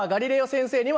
先生